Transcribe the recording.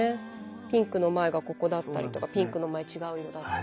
ピンクの前がここだったりとかピンクの前違う色だったり。